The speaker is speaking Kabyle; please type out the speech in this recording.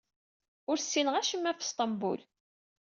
Ur ssinent acemma ɣef Sṭembul.